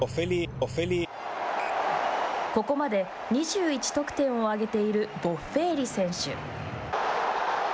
ここまで２１得点を挙げているボッフェーリ選手。